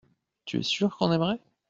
Tu es sûr qu’on aimerait.